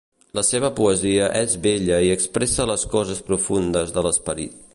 La seva poesia és bella i expressa les coses profundes de l'Esperit.